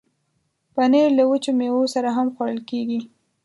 پنېر له وچو میوو سره هم خوړل کېږي.